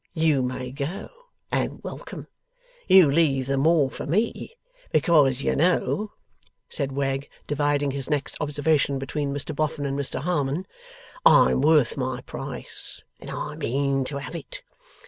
You may go, and welcome. You leave the more for me. Because, you know,' said Wegg, dividing his next observation between Mr Boffin and Mr Harmon, 'I am worth my price, and I mean to have it.